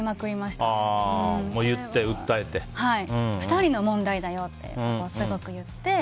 ２人の問題だよってすごく言って。